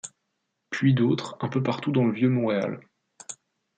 Puis d’autres, un peu partout dans le vieux Montréal.